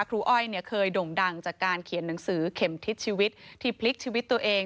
อ้อยเคยด่งดังจากการเขียนหนังสือเข็มทิศชีวิตที่พลิกชีวิตตัวเอง